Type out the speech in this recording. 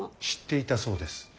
知っていたそうです。